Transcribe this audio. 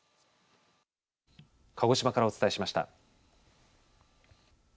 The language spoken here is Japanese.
鹿児島からお伝えしました。